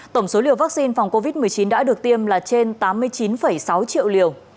tổng số liều vaccine phòng covid một mươi chín đã được tiêm là trên tám mươi chín sáu triệu liều